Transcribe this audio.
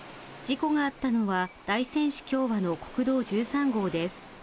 事故があったのは、大仙市協和の国道１３号です。